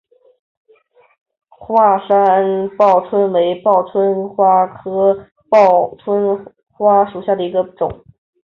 华山报春为报春花科报春花属下的一个种。